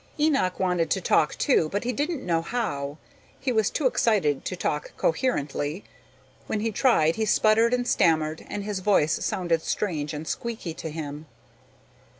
Enoch wanted to talk too but he didn't know how. He was too excited to talk coherently. When he tried he sputtered and stammered and his voice sounded strange and squeaky to him.